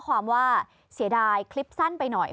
ความว่าเสียดายคลิปสั้นไปหน่อย